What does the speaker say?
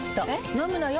飲むのよ。